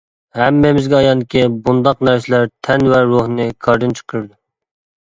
ھەممىمىزگە ئايانكى، بۇنداق نەرسىلەر تەن ۋە روھنى كاردىن چىقىرىدۇ.